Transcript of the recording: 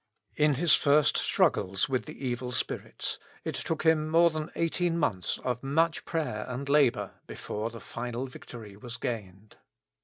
^ In his first struggles with the evil spirits, it took him more than eighteen months of much prayer and labor before the final victory was gained.